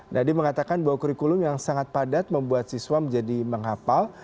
nadiem mengatakan bahwa kurikulum yang sangat padat membuat siswa menjadi menghapal